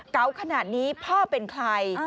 เก่าขนาดนี้พ่อเป็นใคร